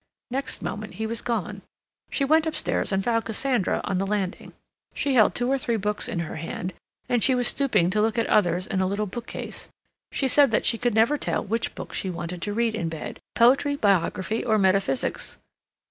Next moment he was gone. She went upstairs and found Cassandra on the landing. She held two or three books in her hand, and she was stooping to look at others in a little bookcase. She said that she could never tell which book she wanted to read in bed, poetry, biography, or metaphysics.